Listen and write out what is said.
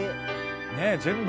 ねっ全部。